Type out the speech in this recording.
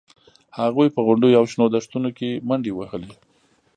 هغوی په غونډیو او شنو دښتونو کې منډې وهلې